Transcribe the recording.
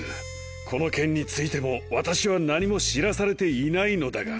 この件についても私は何も知らされていないのだが？